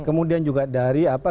kemudian juga dari apa